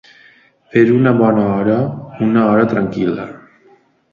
Fer una bona hora, una hora tranquil·la.